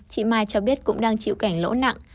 chị mai cho biết cũng đang chịu cảnh lỗ nặng